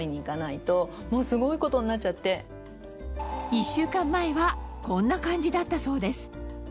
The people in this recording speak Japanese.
１週間前はこんな感じだったそうです